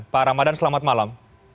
pak ramadan selamat malam